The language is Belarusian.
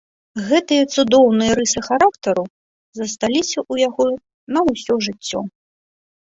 Гэтыя цудоўныя рысы характару засталіся ў яго на ўсё жыццё.